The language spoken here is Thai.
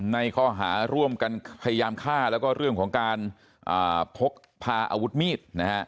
ในข้อหาร่วมกันพยายามฆ่าแล้วก็เรื่องของการพกพาอาวุธมีดนะฮะ